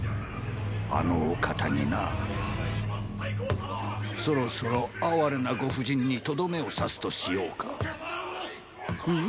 あのお方になそろそろ哀れなご婦人にとどめを刺すとしようか。！